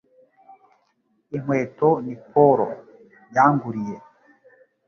Inkweto ni polo yanguriye